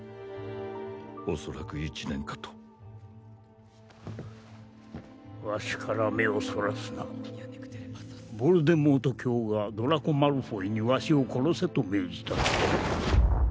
おそらく１年かとわしから目をそらすなヴォルデモート卿がドラコ・マルフォイにわしを殺せと命じた∈